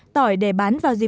tỏi để bán vào diễn